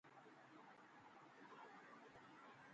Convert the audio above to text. پويش ڪراچي آيو هي.